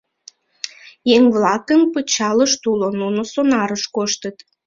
— Еҥ-влакын пычалышт уло, нуно сонарыш коштыт.